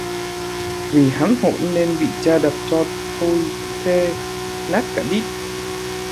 Vì hắn hỗn nên bị cha đập cho thôi thê, nát cả đít